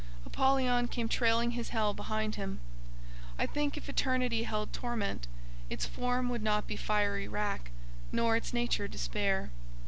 Apollyon came trailing his Hell behind him. I think if Eternity held torment, its form would not be fiery rack, nor its nature despair.